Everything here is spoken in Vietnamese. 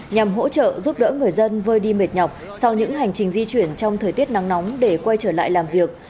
nhằm hỗ trợ giúp đỡ người dân vơi đi mệt nhọc sau những hành trình di chuyển trong thời tiết nắng nóng để quay trở lại làm việc